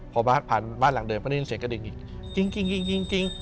พอผ่านบ้านหลังเดินผมได้ยินเสียงกระดิ่งอีกกริ๊งกริ๊งกริ๊งกริ๊งกริ๊ง